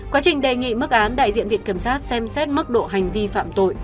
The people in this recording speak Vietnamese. quá trình đề nghị mức án đại diện viện kiểm sát xem xét mức độ hành vi phạm tội